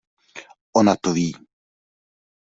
Ona to ví!